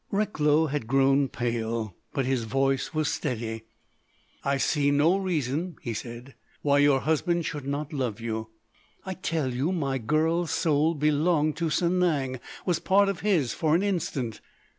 Recklow had grown pale, but his voice was steady. "I see no reason," he said, "why your husband should not love you." "I tell you my girl's soul belonged to Sanang—was part of his, for an instant."